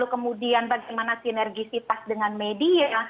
kemudian bagaimana sinergisitas dengan media